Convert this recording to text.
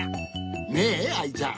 ねえアイちゃん。